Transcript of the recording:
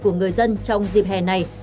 của người dân trong dịp hè này